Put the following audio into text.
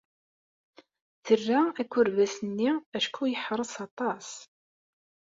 Terra akerbas-nni acku yeḥṛes aṭas.